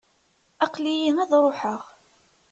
Aqli-iyi ad ruḥeɣ.